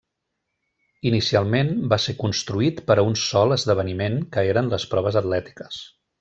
Inicialment va ser construït per a un sol esdeveniment que eren les proves atlètiques.